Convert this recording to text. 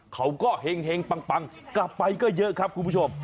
เขาก็เห็งปังกลับไปก็เยอะครับคุณผู้ชม